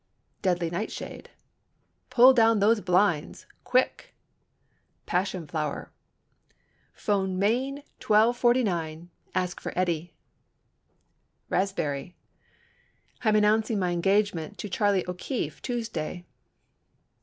Deadly Nightshade—"Pull down those blinds, quick!" Passion Flower—"Phone Main 1249—ask for Eddie." Raspberry—"I am announcing my engagement to Charlie O'Keefe Tuesday."